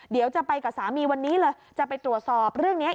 เดี๋ยวจะไปกับสามีวันนี้เลยจะไปตรวจสอบเรื่องนี้